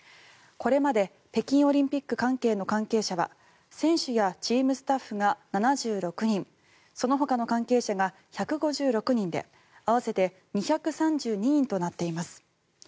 これまで北京オリンピック関係の関係者は選手やチームスタッフが７６人そのほかの関係者が１５６人で合わせて２３２人となっています。